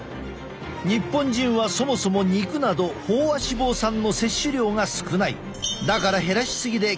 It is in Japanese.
日本人はそもそも肉など飽和脂肪酸の摂取量が少ない。